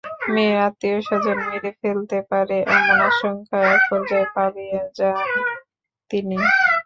মেয়ের আত্মীয়স্বজন মেরে ফেলতে পারে এমন আশঙ্কায় একপর্যায়ে পালিয়ে যান তিনি।